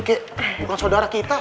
kayak bukan saudara kita